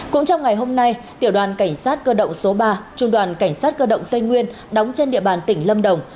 cũng trong ngày hôm nay tiểu đoàn cảnh sát cơ động số ba trung đoàn cảnh sát cơ động tây nguyên đóng trên địa bàn tỉnh lâm đồng